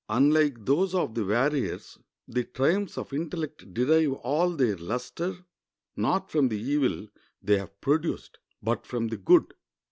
Unlike those of the warriors, the triumphs of intellect derive all their luster, not from the evil they have produced, but from the good.